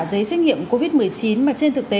giấy xét nghiệm covid một mươi chín mà trên thực tế